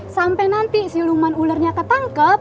sampe nanti si luman ulernya ketangkep